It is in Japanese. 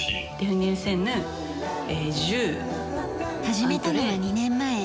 「」始めたのは２年前。